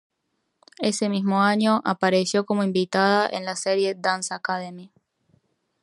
Ese mismo año apareció como invitada en la serie "Dance Academy".